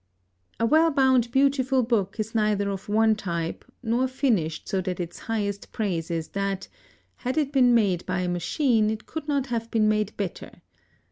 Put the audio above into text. A well bound beautiful book is neither of one type, nor finished so that its highest praise is that "had it been made by a machine it could not have been made better."